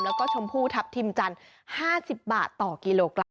แล้วก็ชมพูทัพทิมจันทร์๕๐บาทต่อกิโลกรัม